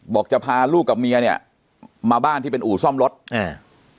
จะพาลูกกับเมียเนี้ยมาบ้านที่เป็นอู่ซ่อมรถอ่า